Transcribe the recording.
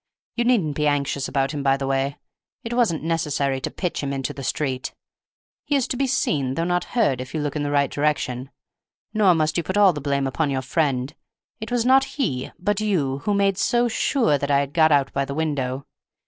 You needn't be anxious about him, by the way; it wasn't necessary to pitch him into the street; he is to be seen though not heard, if you look in the right direction. Nor must you put all the blame upon your friend; it was not he, but you, who made so sure that I had got out by the window.